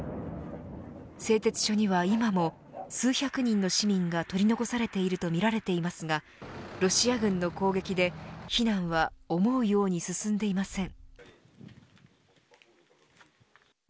製鉄所には今も数百人の市民が取り残されているとみられていますがロシア軍の攻撃で避難は思うように進んでいません。